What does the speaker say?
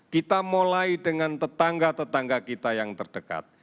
kita mulai dengan tetangga tetangga kita yang terdekat